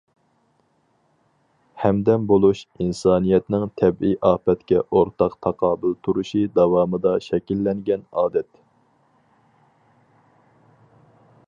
ھەمدەم بولۇش ئىنسانىيەتنىڭ تەبىئىي ئاپەتكە ئورتاق تاقابىل تۇرۇشى داۋامىدا شەكىللەنگەن ئادەت.